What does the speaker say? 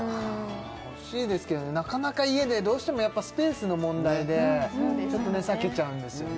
欲しいですけどなかなか家でどうしてもやっぱスペースの問題でちょっと避けちゃうんですよね